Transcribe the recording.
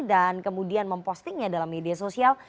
dan kemudian mempostingnya dalam media sosial